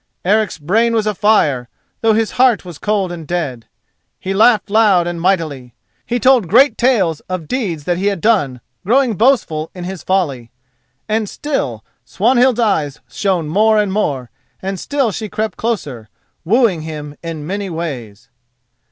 Eric's brain was afire, though his heart was cold and dead. He laughed loud and mightily, he told great tales of deeds that he had done, growing boastful in his folly, and still Swanhild's eyes shone more and more, and still she crept closer, wooing him in many ways.